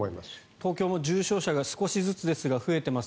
東京も重症者が少しずつですが増えてきています。